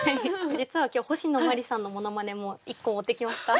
実は今日星野真里さんのモノマネも１個持ってきました。